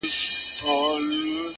د حقیقت رڼا سیوري لنډوي